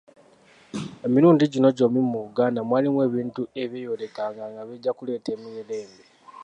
Emirundi gino gy’ombi mu Buganda mwalimu ebintu ebyeyolekanga nga bijja kuleeta emirerembe.